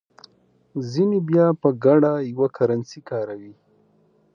ځینې بیا په ګډه یوه کرنسي کاروي.